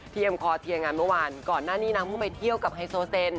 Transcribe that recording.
เอ็มคอเทียงานเมื่อวานก่อนหน้านี้นางเพิ่งไปเที่ยวกับไฮโซเซน